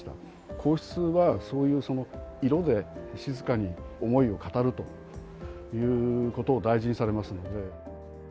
皇室はそういう色で、静かに思いを語るということを大事にされますので。